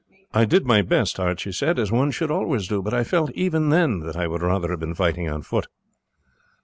"I did my best," Archie said, "as one should always do; but I felt even then that I would rather have been fighting on foot."